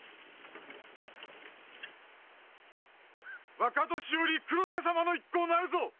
若年寄・黒瀬様の一行なるぞ！